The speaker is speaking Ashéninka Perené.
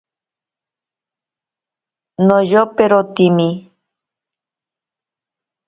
Noyoperotimi.